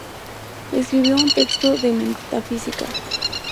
Escribió un texto de Metafísica.